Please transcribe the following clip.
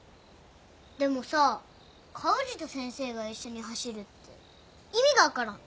でもさ川藤と先生が一緒に走るって意味が分からん。